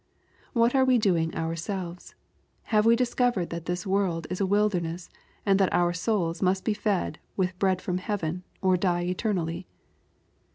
What are we doing ourselves ? Ha vejve discovered that this world is a wilderness, and that our souls must be fed with bread from heaven, or die eternally